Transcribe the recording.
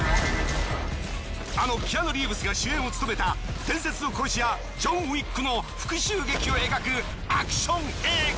あのキアヌ・リーブスが主演を務めた伝説の殺し屋ジョン・ウィックの復讐劇を描くアクション映画。